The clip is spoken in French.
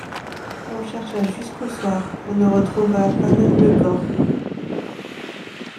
On chercha jusqu’au soir ; on ne retrouva pas même le corps.